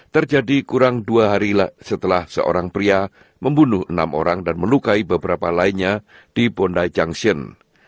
terjadi kurang dua hari setelah seorang pria membunuh enam orang dan melukai beberapa lainnya di bondai junction